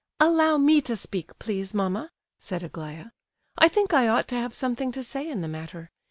"Allow me to speak, please, mamma," said Aglaya. "I think I ought to have something to say in the matter.